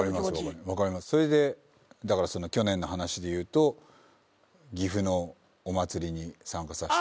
それで去年の話で言うと岐阜のお祭りに参加させて。